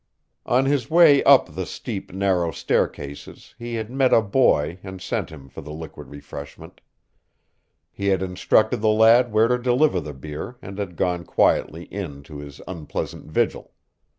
On his way up the steep, narrow staircases he had met a boy and sent him for the liquid refreshment. He had instructed the lad where to deliver the beer and had gone quietly in to his unpleasant vigil.